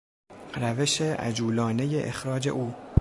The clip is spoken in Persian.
روش عجولانهی اخراج او